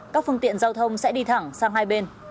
các phương tiện giao thông sẽ đi thẳng sang hai bên